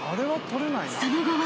その後は］